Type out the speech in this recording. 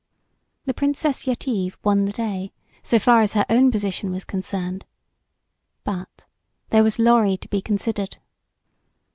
The Princess Yetive won the day, so far as her own position was concerned. But, there was Lorry to be considered.